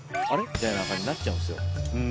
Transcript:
みたいな感じになっちゃうんですよ。